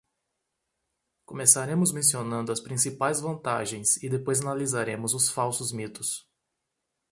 Começaremos mencionando as principais vantagens e depois analisaremos os falsos mitos.